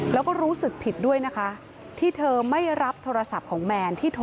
แล้วก็รู้สึกผิดด้วยนะคะ